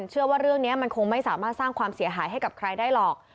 เชื่อว่าเรื่องนี้มันคงไม่สามารถสร้างความเสียหายให้กับใครได้หรอก